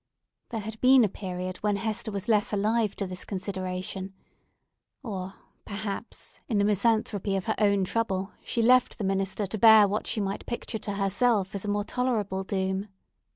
There had been a period when Hester was less alive to this consideration; or, perhaps, in the misanthropy of her own trouble, she left the minister to bear what she might picture to herself as a more tolerable doom.